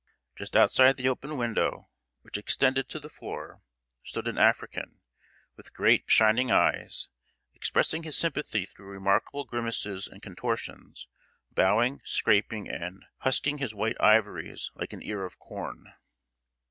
Just outside the open window, which extended to the floor, stood an African, with great shining eyes, expressing his sympathy through remarkable grimaces and contortions, bowing, scraping, and "Husking his white ivories like an ear of corn."